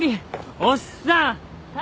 おっさん！